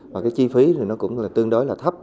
và cái chi phí thì nó cũng là tương đối là thấp